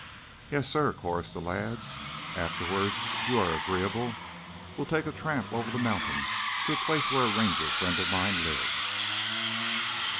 "Yes, sir," chorused the lads. "Afterward, if you are agreeable, we will take a tramp over the mountain to a place where a ranger friend of mine lives."